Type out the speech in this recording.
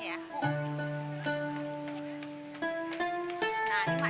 udah ya taruh ke belas nih ya